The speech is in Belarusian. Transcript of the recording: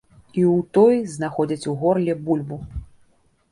І ў той знаходзяць у горле бульбу.